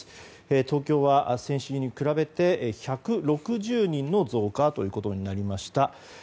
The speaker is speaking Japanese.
東京は先週に比べて１６０人の増加となりました。